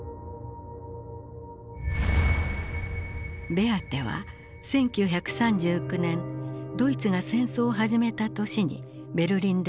ベアテは１９３９年ドイツが戦争を始めた年にベルリンで生まれた。